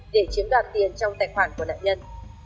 để chiếm đoạt tiền trong tài khoản của nạn nhân